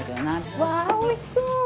うわーおいしそう！